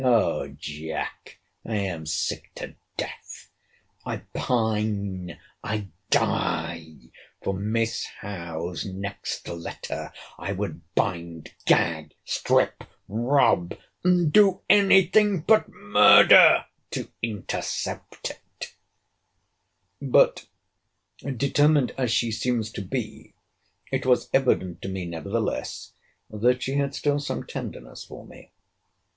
O Jack! I am sick to death, I pine, I die, for Miss Howe's next letter! I would bind, gag, strip, rob, and do any thing but murder, to intercept it. But, determined as she seems to be, it was evident to me, nevertheless, that she had still some tenderness for me.